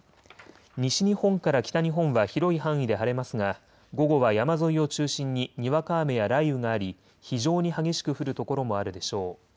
西日本から北日本は広い範囲で晴れますが午後は山沿いを中心ににわか雨や雷雨があり非常に激しく降る所もあるでしょう。